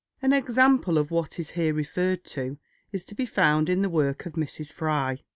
An example of what is here referred to is to be found in the work of Mrs. Fry.